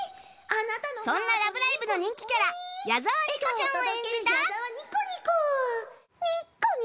そんな『ラブライブ！』の人気キャラ矢澤にこちゃんを演じた